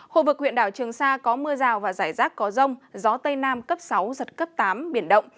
khu vực huyện đảo trường sa có mưa rào và rải rác có rông gió tây nam cấp sáu giật cấp tám biển động